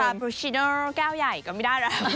คาปูชินอร์แก้วใหญ่ก็ไม่ได้แล้ว